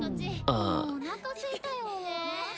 もうおなかすいたよ。